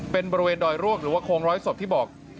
เป็นบริเวณดอยรวกหรือว่าโค้งร้อยศพที่บอก